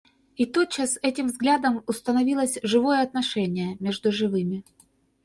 И тотчас этим взглядом установилось живое отношение между живыми.